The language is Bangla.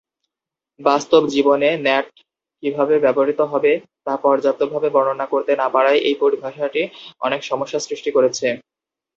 বাস্তব জীবনে ন্যাট কিভাবে ব্যবহৃত হবে তা পর্যাপ্ত ভাবে বর্ণনা করতে না পারায় এই পরিভাষাটি অনেক সমস্যা সৃষ্টি করেছে।